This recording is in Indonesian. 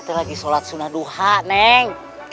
itu lagi sholat sunaduha neng